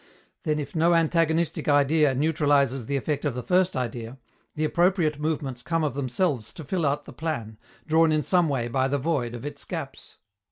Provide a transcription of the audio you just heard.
Then, if no antagonistic idea neutralizes the effect of the first idea, the appropriate movements come of themselves to fill out the plan, drawn in some way by the void of its gaps.